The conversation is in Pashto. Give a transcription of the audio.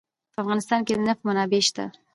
په افغانستان کې د نفت منابع شته.